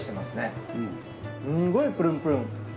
すごいプルンプルン。